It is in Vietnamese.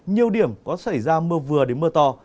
nhiều điểm có xảy ra mưa vừa đến mưa to